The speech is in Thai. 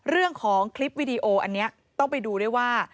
เรื่องของคลิปวิดีโออันนี้ต้องไปดูด้วยว่า